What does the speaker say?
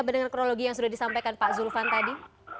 dengan kronologi yang sudah disampaikan pak zulfan tadi